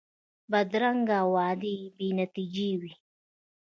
بدرنګه وعدې بې نتیجې وي